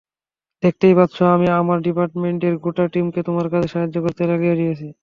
দেখতেই পাচ্ছ, আমি আমার ডিপার্টমেন্টের গোটা টিমকে তোমার কাজে সাহায্য করতে লাগিয়ে দিয়েছি।